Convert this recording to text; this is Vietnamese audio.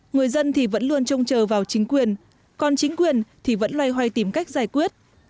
người dân thì vẫn luôn trông chờ vào chính quyền còn chính quyền thì vẫn loay hoay tìm cách giải quyết